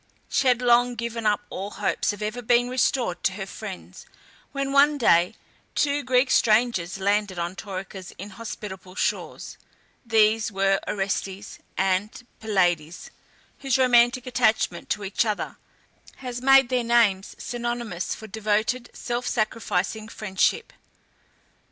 She had long given up all hopes of ever being restored to her friends, when one day two Greek strangers landed on Taurica's inhospitable shores. These were Orestes and Pylades, whose romantic attachment to each other has made their names synonymous for devoted self sacrificing friendship.